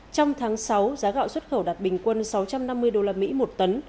trong tháng sáu giá gạo xuất khẩu đạt bình quân sáu trăm năm mươi đô la mỹ một tấn